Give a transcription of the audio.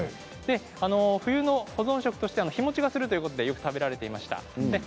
冬の保存食として、日もちはするということでよく食べられていました。